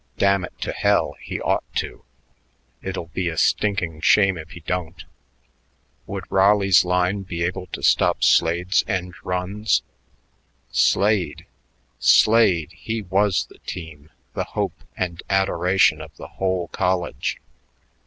"Damn it to hell, he ought to. It'll be a stinkin' shame if he don't." Would Raleigh's line be able to stop Slade's end runs? Slade! Slade! He was the team, the hope and adoration of the whole college.